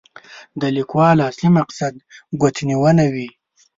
د لیکوال اصلي مقصد ګوتنیونه وي.